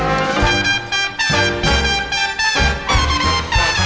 โอ้โห